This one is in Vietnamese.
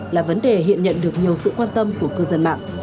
là vấn đề hiện nhận được nhiều sự quan tâm của cư dân mạng